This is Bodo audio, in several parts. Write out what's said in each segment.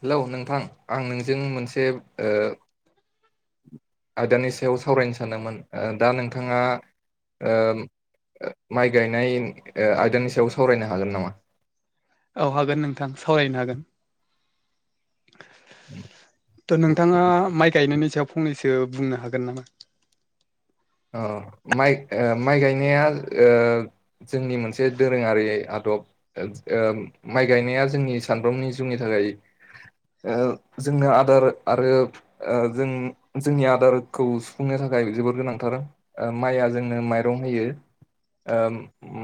हेलौ नोंथां आं नोंजों मोनसेब ओ आयदानि सायाव सावरायनो सानदोंमोन दा नोंथाङा ओम माइ गायनाय ओ आयदानि सायाव सावरायनो हागोन नामा? औ हागोन नोंथां सावरायनो हागोन। त' नोंथाङा माइ गायनायनि सायाव फंनैसो बुंनो हागोन नामा? औ माइ ओ माइ गायनाया ओ जोंनि मोनसे दोरोङारि आदब। ओ माइ गायनाया जोंनि सानफ्रोमबोनि जिउनि थाखाय ओ जोंनो आदार आरो जों जोंनि आदारखौ सुफुंनो थाख थाखाय जोबोर गोनांथार ओ माइआ जोंनो माइरं होयो। ओ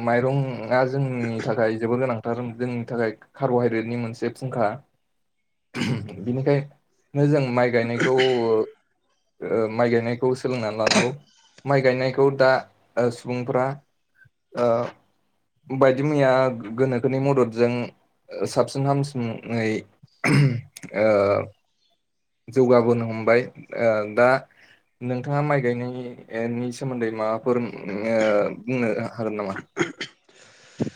माइरंआ जोंनि थाखाय जोबोर गोनांथार जोंनि थाखाय कार्ब'हाइद्रेटनि मोनसे फुंखा। बिनिखाय नो जों माइ गायनायखौ ओ माइ गायनायखौ सोलोंनानै लानांगौ। माइ गायनायखौ दा सुबुंफोरा ओ बायदि मैया गोनोखोनि मददजों ओ साबसिन हामसिङै ओ। जौगाबोनो हमबाय ओ दा नोंथाङा माइ गायनायनि बेनि सोमोन्दै माबाफोर बुंनो हागोन नामा?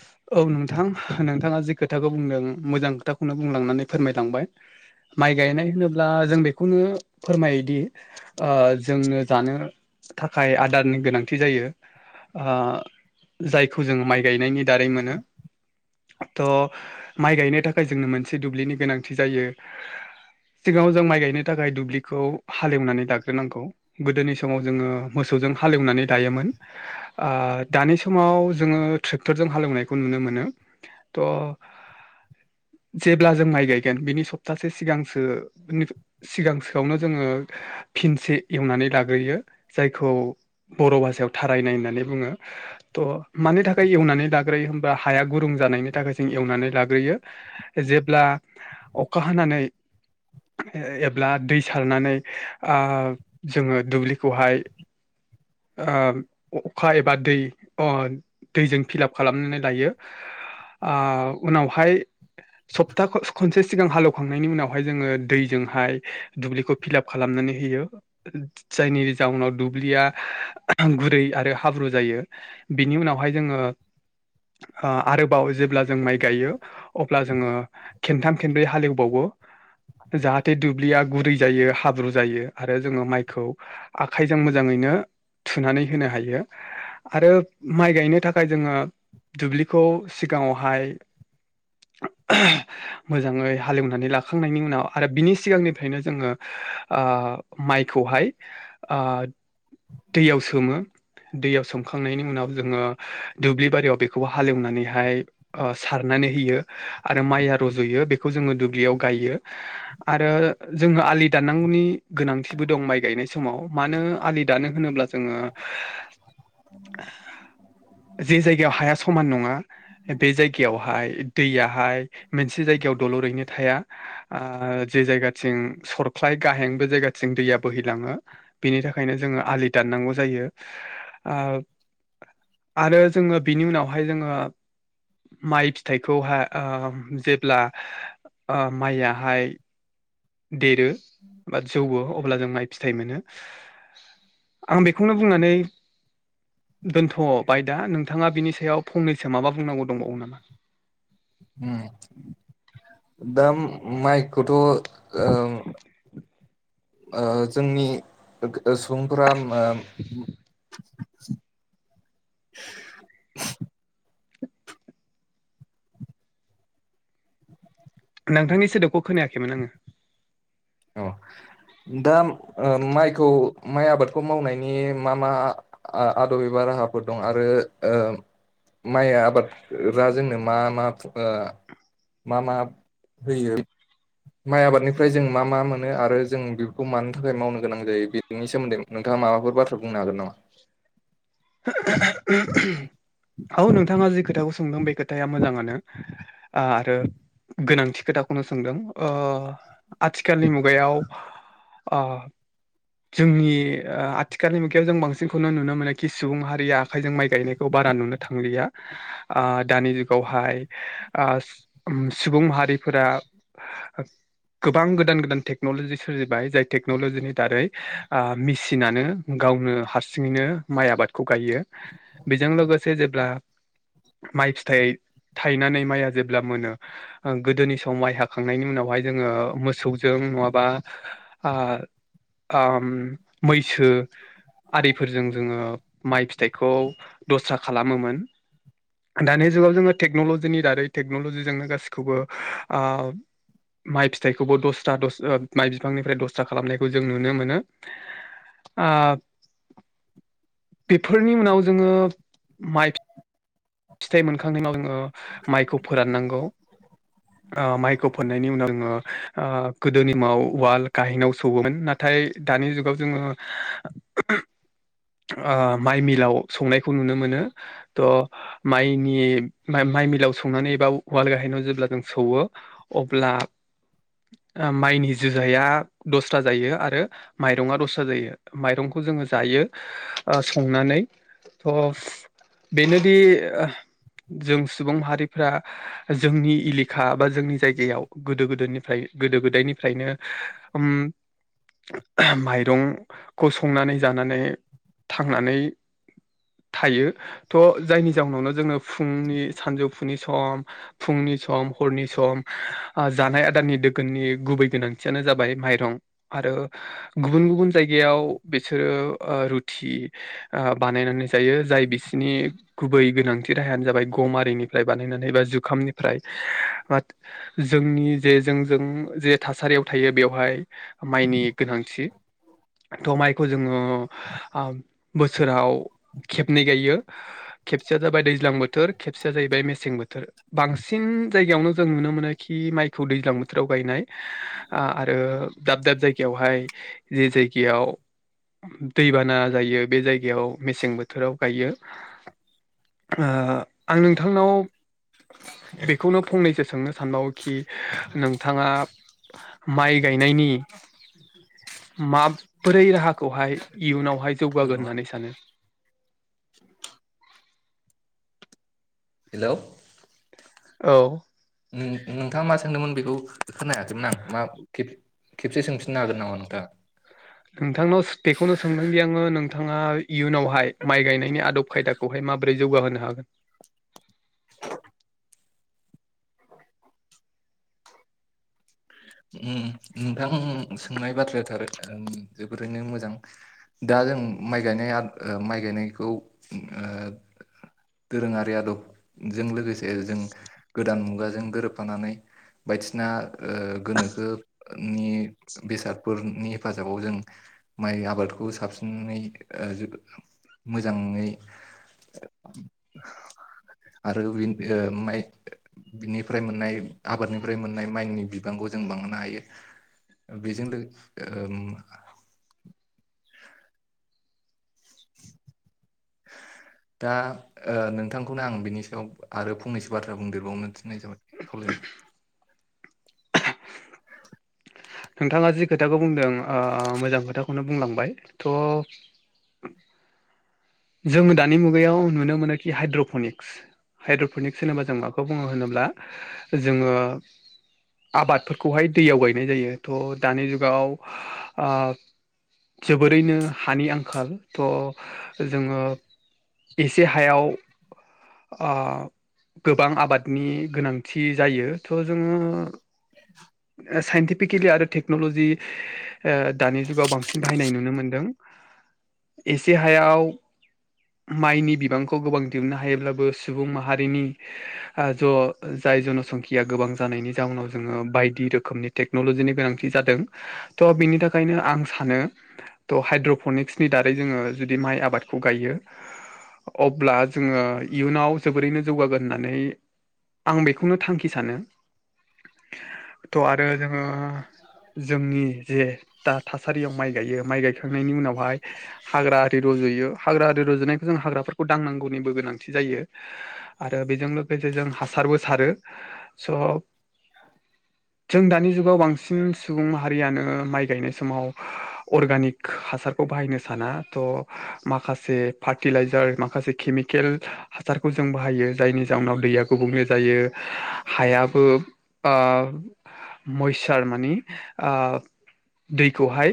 औ नोंथां नोंथाङा जि खोथाखौ बुंदों मोजां खोथाखौनो बुंलांनानै फोरमायलांबाय। माइ गायनाय होनोब्ला जों बेखौनो फोरमायोदि ओ जोंनो जानो थाखाय आदारनि गोनांथि जायो ओ जायखौ जों माइ गायनायनि दारै मोनो। थ' माइ गायनो थाखाय जोंनो मोनसे दुब्लिनि गोनांथि जायो। सिगाङाव जों माइ गायनो थाखाय दुब्लिखौ हालेवनानै दाग्रोनांगौ गोदोनि समाव जोङो मोसौ जों हालेवनानै लायोमोन ओ दानि समाव जोंङो बोथोरजों हालेवनायखौ नुनो मोनो तह [inaudible] जेब्ला जों माइ गायगोन बिनि सप्तासे सिगांसो सिगांसोआवनो जोङो फिनसे एवनानै लाग्रोयो जायखौ बर' भाषायाव थारायनाय होननानै बुङो। थ' मानि थाखाय एउनानै लाग्रोयो होमबा हाया गुरुं जानायनि थाखाय जों एवनानै लाग्रोयो जेब्ला अखा हानानै एब्ला दै सारनानै ओ जोङो दुब्लिखौहाय ओ अखा एबा दै अ दैजों फिलाप खालामनानै लायो। ओ उनावहाय सप्ता खनसे सिगां हालेवखांनायनि उनावहाय जोङो दैजोंहाय दुब्लिखौ फिलाप खालामना नानै होयो जायनि जाउनाव दुब्लिया गुरै आरो हाब्रु जायो बिनि उनावहाय जोङो ओ आरोबाव जेब्ला जों माइ गायो अब्ला जोङो खेनथाम खेननब्रै हालेवबावो। [inaudible] जाहाथे दुब्लिया गुरै जायो हाब्रु जायो आरो जोङो माइखौ आखाइजों मोजाङैनो थुनानै होनो हायो आरो माइ गायनो थाखाय जोङो दुब्लिखौ सिगाङावहाय मोजाङै हालेवनानै लाखांनायनि उनाव आरो बिनि सिगांनिफ्रायनो जोङो ओ माइखौहाय ओ [inaudible] दैयाव सोमो। दैयाव सोमखांनायनि उनाव जोङो दुब्लि बारियाव बेखौ हालेवनानैहाय ओ सारना नै होयो आरो माइया रज'यो बेखौ जोङो दुब्लियाव गायो आरो जों आथिं आलि दाननांगौनि गोनांथिबो दं माइ गायनाय समाव मानो आलि दानो होनोब्ला जोङो जे जायगायाव हाया समान नङा बे जायगायावहाय दैयाहाय मोनसे जायगायाव दल'रैनो थाया ओ जे जायगाथिं सरख्लाय गाहें बे जायगाथिं दैया बोहैलाङो बेनि थाखायनो जोङो आलि दाननांगौ जायो ओ आरो जोङो बिनि उनावहाय जोङो माइ फिथाइखौहाय ओ जेब्ला ओ माइयाहाय देरो बा जौवो अब्ला जों माइ फिथाइ मोनो। आं बेखौनो बुंनानै दोनथ' बायदा नोंथाङा बिनि सायाव फंनैसो माबा बुंनांगौ दंबावो नामा उम दा माइखौथ' ओ ओ जोंनि सुबुंफोरा [inaudible] नोंथांनि सोदोबखौ खोनायाखैमोन आङो औ। दा माइखौ माइ आबादखौ मावनायनि मा मा आदब एबा रा- हाफोर दं आरो माइ आबाद जोंनो मा मा ओ मा मा होयो माइ आबादनिफ्राय जों मा मा मोनो आरो जों बेखौ मानि थाखाय मावनो गोनां जायो बेनि सोमोन्दै नोंथाङा माबाफोर बाथ्रा बुंनो हागोन नामा? [inaudible] [unintelligible] औ नोंथाङा जि खोथाखौ सोंदों बे खोथाया मोजाङानो आरो गोनांथि खोथाखौनो सोंदों ओ आथिखालनि मुगायाव ओ जोंनि आथिखालनि मुगायाव जों बांसिनखौनो नुनो मोननाय खि सुबुं हारिया आखाइजों माइ गायनायखौ बारा नुनो थांलिया ओ दानि जुगावहाय ओ सुबुं माहारिफोरा गोबां गोदान गोदान टेक्न'लजि सोरजिबाय जाय टेक्न'लजिनि दारै ओ मिसिनानो गावनो हारसिङैनो माइ आबादखौ गायो बेजों लोगोसे जेब्ला माइ फिथाइ थायनानै माइआ जेब्ला मोनो गोदोनि सम माइ हाखांनायनि उनावहाय जोङो मोसौजों नङाबा आ ओम मैसो आरिफोरजों जोङो माइ फिथाइखौ दस्रा खालामोमोन। दानि जुगाव जोङो टेक्न'लजिनि दारै टेक्न'लजिजोंनो गासिखौबो ओ माइ फिथाइखौबो दस्रा दस माइ बिफांनिफ्राय दस्रा खालामनायखौ जों नुनो मोनो। ओ बेफोरनि उनाव जोङो माइ फिथाइ मोनखांनायनि उनाव ओ माइखौ फोराननांगौ। ओ माइखौ फननायनि उनाव आङो गोदोनि माव वाल गाहनाव सोमोन नाथाय दानि जुगाव जोङो ओ माइ मिलाव संनायखौ नुनो मोनो त' माइनि माइ मिलायाव सौनानै एबा उवाल गाहायनायाव जेब्ला जों सौवो अब्ला माइनि जोजाया दस्रा जायो आरो माइरङा दस्रा जायो माइरंखौ जो ङो जायो ओ संनानै अफ बेनोदि ओ जों सुबुं माहारिफ्रा जोंनि एलेखा बा जोंनि जायगायाव गोदो गोदायनिफ्राय गोदो गोदायनिफ्रायनो उम माइरंखौ संनानै जानानै थांनानै थायो थ' जायनि जनावनो जोङो फुंनि सानजौफुनि सम फुंनि सम हरनि सम जानाय आदारनि दोगोननि गुबै गोनांथियानो जाबाय माइरं आरो गुबुन गुबुन जायगायाव बिसोरो ओ रुथि बानायनानै जायो जाय बिसिनि गुबै गोनांथि राहायानो जाबाय गमारिनिफ्राय बानायनानै बा जुखामनिफ्राय जोंनि जे जोंजों जे थासारियाव थायो बेवहाय माइनि गोनांथि थ' माइखौ ओ जोङो बोसोराव खेबनै गायो खेबसेया जाबाय दैज्लां बोथोर खेब सेया जाहैबाय मेसें बोथोर बांसिन जायगायावनो जों नुनो मोनो खि माइखौ दैज्लां बोथोराव गायनाय आरो दाब दाब जायगायावहाय जे जायगायाव दैबाना जायो बे जायगायाव मेसें बोथोराव गायो आं नोंथांनाव बेखौनो फंनैसो सोंनो सानबावोखि नोंथाङा माइ गायनायनि माबोरै राहाखौहाय इयुनावहाय जौगागोन नङा होननानै सानो हेलौ औ नों नोंथाङा मा सोंदोंमोन बेखौ खोनायाखैमोन आं मा खेबसे सोंफिननो हागोन नामा नोंथाङा नोंथांनाव बेखौनो सोंदोंदि आङो नों नोंथाङा इयुनावहाय माइ गायनायनि आदब खायदाखौहाय माबोरै जौगाहोनो हागोन [unintelligible] उम नोंथां सोंनाय बाथ्रायाथार जोबोरैनो मोजां दा जों माइ गायनाय ओ माइ गाय गायनायखौ ओ दोरोङारि आदबजों लोगोसे जों गोदान मुगाजों गोरोबफानानै बायदिसिना ओ गोनो खोनि बेसादफोरनि हेफाजाबाव जों माइ आबादखौ साबसिन ओ मोजाङै आरो बि ओ माइ बिनिफ्राय मोननाय आबादनिफ्राय मोननाय माइनि बिबांखौ जों बांनो हायो बेजों लो ओ [inaudible] दा ओ नोंथांखौनो आं बिनि सायाव आरो फंनैसो बाथ्रा बुंदेरबावनो थिन्नाय जाबाय खावलायनाय [inaudible] नोंथाङा जि खोथाखौ बुंदों ओ मोजां खोथाखौनो बुंलांबाय थ' जोङो दानि मुगायाव नुनो मोनोखि हाइद्रफनिक्स हाइद्र'फनिक होनोेबा जों माखौ बुङो होनोब्ला जोङो आबादफोरखौहाय दैयाव गायनाय जायो थ दानि जुगाव ओ जोबोरैनो हानि आंखाल थ' जोङो एसे हायाव ओ गोबां आबादनि गोनांथि जायो थ' जोङो साइन्टि पिकेलि आरो टेकन'लजि ओ दानि जुगाव बांसिन बाहायनाय नुनो मोन्दों एसे हायाव माइनि बिबांखौ गोबां दिहुननो हायोब्लाबो सुबुं माहारिनि आ ज' जाय जन'संखिया गोबां जानायनि जाउनाव जोङो बायदि रोखोमनि टेक नलजिनि गोनांथि जादों त' बिनि थाखायनो आं सानो त' हाइड्रफनिक्सनि दारै जोङो जुदि माइ आबादखौ गायो अब्ला जोङो इयुनाव जोबोरैनो जौगागोन होननानै आं बेखौनो थांखि सानो थ' आरो ओ जोंनि जे दा थासारियाव माइ गायो माइ गायखांनायनि उनाव ओमफ्राय हाग्रा रजयो हाग्रा आरि रुजनायखौ जों हाग्राफोरखौ दांनांगौनिबो गोनांथि जायो आरो बेजों लोगोसे से जों हासारबो सारो स' [inaudible] जों दानि जुगाव बांसिन सुबुं माहारियानो माइ गायनाय समाव अर्गानिक हासारखौ बाहायनो सानो ना थ' माखासे फार्टिलाइजार माखासे केमिकेल हासारखौ जों बाहायो जायनि जाउनाव दैया गुबुंले जायो हायाबो ओ मैसार मानि आ दैखौहाय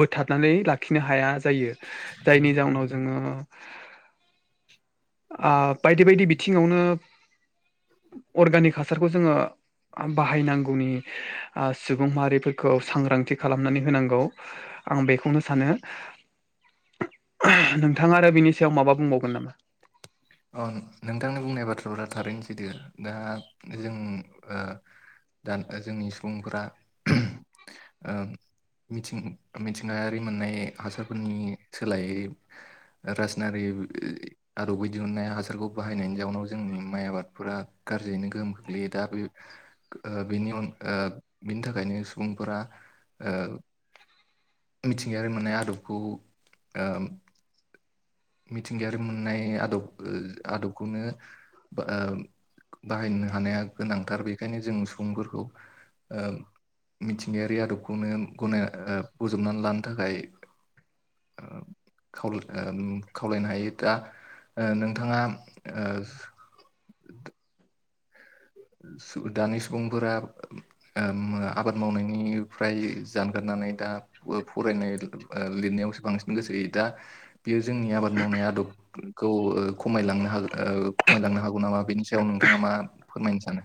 बोथाबनानै लाखिनो हाया जायो जायनि जाउनाव जोङो [inaudible] आ बायदि बायदि बिथिङावनो अर्गानिक हासारखौ जोङो बाहायनांगौ गावनि आ सुबुं माहारिफोरखौ सांग्रांथि खालामनानै होनांगौ आं बेखौनो सानो नोंथाङा आरो बिनि सायाव माबा बुंबावगोन नामा? औ नोंथांनि बुंनाय बाथ्राफ्रा थारैनो दा जों दा जोंनि सुबुंफोरा ओ मिथिं मिथिंगायारि मोननाय हासारफोरनि सोलायै राजनारि आरो बै दिहुननाय हासारखौ बाहायनायनि जाउनाव जोंनि माइ आबादफोरा गाज्रियैनो गोहोम खोख्लैयो दा बे ओ बिनि बिनि थाखायनो सुबुंफोरा ओ मिथिंगायारि मोननाय आदबखौ ओ मिथिंगायारि मोननाय आदब आदबखौनो ओ बाहायनो हानाया गोनांथार बेखायनो जों सुबुंफोरखौ मिथिंगायारि आदबखौनो गनाय बजबनानै लानो थाखाय खावलाय ओ खावलायनो हायो दा ओ नोंथाङा ओ दानि सुबुंफोरा आबाद मावनायनिफ्राय जानगारनानै दा फरायनाय लिरनाय बांसिन गोसो होयो दा बेयो जोंनि आबाद मावनाय आदबखौ खमायलांनो हागोन खमायलांनो हागौ नामा बेनि सायाव नोंथाङा मा फोरमायनो सानो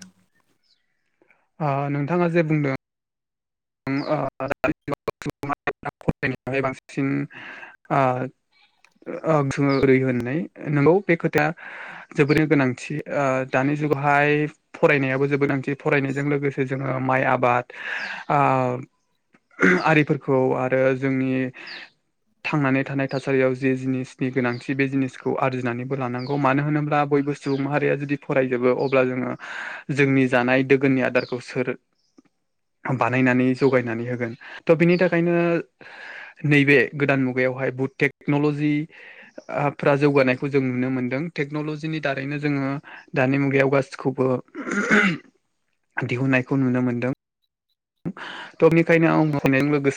ओ नोंथाङा जे बुंदों [unintelligible] फरायनायावहाय बांसिन ओ जोङो ओरै होननाय नंगौ बे खोथाया जोबोरनो गोनांथि ओ दानि जुगावहाय फरायनायाबो जोबोद गोनांथि फरायनायजों लोगोसे जोङो माइ आबाद आरिफोरखौ आरो जोंनि थांनानै थानाय थासारियाव जे जिनिसनि गोनांथि बे जिनिसखौ आरजिनानैबो लानांगौ मानो होनोब्ला बय सुबुं माहारिया जुदि फरायजोबो अब्ला जोङो जोंनि जानाय दोगोननि आदारखौ सोर [inaudible] बानायनानै जगायनानै होगोन थ' बिनि थाखायनो नैबे गोदान मुगायावहाय टेक्न'ल'जि फ्रा जौगानायखौ जों नुनो मोन्दों टेक्न'ल'जिनि दारैनो जोङो दानि मुगायाव गासिखौबो दिहुननायखौ नुनो मोनदों। थ' बेनिखायनो आं बुंनायजों लोगोसे